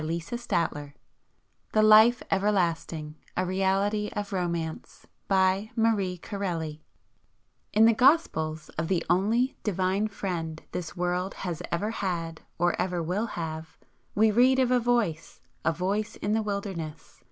INTO THE LIGHT THE LIFE EVERLASTING A REALITY OF ROMANCE AUTHOR'S PROLOGUE In the Gospels of the only Divine Friend this world has ever had or ever will have, we read of a Voice, a 'Voice in the Wilderness.'